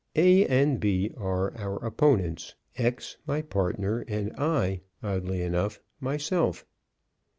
A and B are our opponents, X my partner, and I (oddly enough) myself.